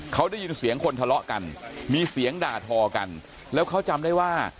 เขาได้ยินเสียงคนทะเลาะกันมีเสียงด่าทอกันแล้วเขาจำได้ว่า